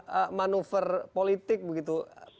sebuah manuver politik begitu